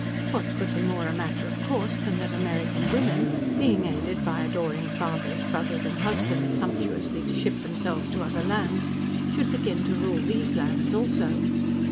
What could be more a matter of course than that American women, being aided by adoring fathers, brothers and husbands, sumptuously to ship themselves to other lands, should begin to rule these lands also?